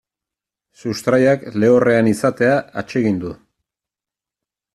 Sustraiak lehorrean izatea atsegin du.